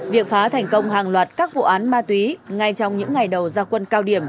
việc phá thành công hàng loạt các vụ án ma túy ngay trong những ngày đầu gia quân cao điểm